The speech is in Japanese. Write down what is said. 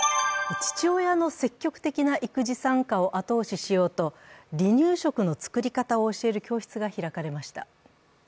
父親の積極的な育児参加を後押ししようと、離乳食の作り方を教える教室が開かれました。